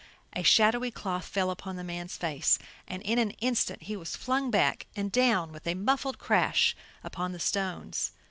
A shadowy cloth fell upon the man's face, and in an instant he was flung back and down with a muffled crash upon the stones.